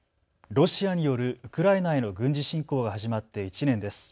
ロシアによるウクライナへの軍事侵攻が始まって１年です。